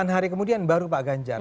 delapan hari kemudian baru pak ganjar